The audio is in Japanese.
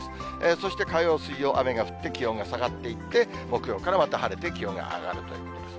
そして火曜、水曜、雨が降って気温が下がっていって、木曜からまた晴れて、気温が上がるということです。